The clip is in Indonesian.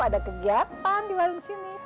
ada kegiatan di warung sini